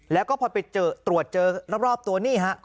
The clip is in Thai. แล้วก็พอไปเจอตรวจเจอรอบตัวนี่ฮะ